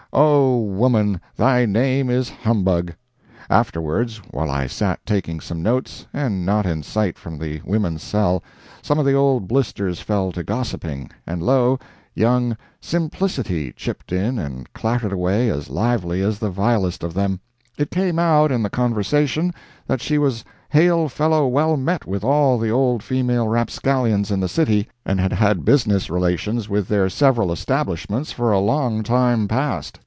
O, woman, thy name is humbug! Afterwards, while I sat taking some notes, and not in sight from the women's cell, some of the old blisters fell to gossiping, and lo! young Simplicity chipped in and clattered away as lively as the vilest of them! It came out in the conversation that she was hail fellow well met with all the old female rapscallions in the city, and had had business relations with their several establishments for a long time past.